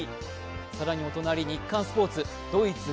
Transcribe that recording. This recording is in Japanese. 更にお隣、日刊スポーツ。